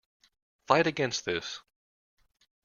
Fight against this.